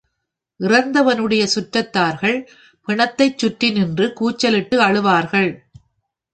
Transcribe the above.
இறந்தவனுடைய சுற்றத்தார்கள் பிணத்தைச் சுற்றி நின்று கூச்சலிட்டு அழுவார்கள்.